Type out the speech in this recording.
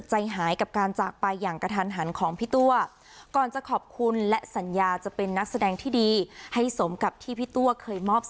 ใจหายกับการจากไปอย่างกระทันหันของพี่ตัวก่อนจะขอบคุณและสัญญาจะเป็นนักแสดงที่ดีให้สมกับที่พี่ตัวเคยมอบ